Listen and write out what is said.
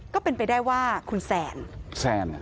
ก็เป็นไปได้ว่าคุณแซนแซน